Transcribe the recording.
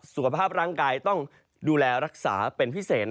สุขภาพร่างกายต้องดูแลรักษาเป็นพิเศษ